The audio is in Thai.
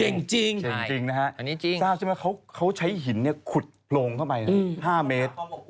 เก่งจริงจริงนะฮะเขาใช้หินเนี่ยขุดโพรงเข้าไป๕เมตร